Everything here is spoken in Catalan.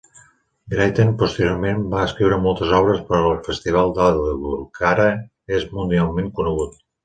Britten posteriorment va escriure moltes obres per al Festival d'Aldeburgh, que ara és mundialment conegut.